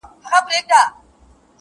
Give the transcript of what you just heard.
دا خو زموږ د مړو لو بې عزتي ده,